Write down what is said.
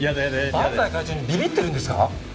伴財会長にビビってるんですか？